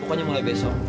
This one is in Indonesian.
pokoknya mulai besok